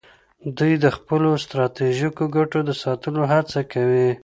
دوی د خپلو ستراتیژیکو ګټو د ساتلو هڅه کوي